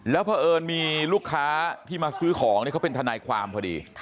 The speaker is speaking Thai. แล้วเพราะเอิญมีลูกค้าที่มาซื้อของเขาเป็นทนายความพอดี